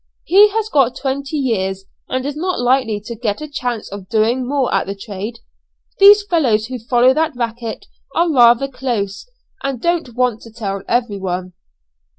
He has got twenty years, and is not likely to get a chance of doing more at the trade. These fellows who follow that racket are rather close, and don't want to tell anyone."